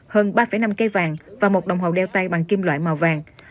hơn ba năm cây vàng và một đồng hồ đeo tay bằng kim loại màu vàng